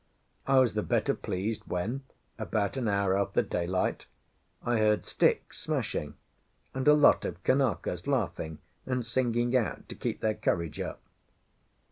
I was the better pleased when, about an hour after daylight, I heard sticks smashing and a lot of Kanakas laughing, and singing out to keep their courage up.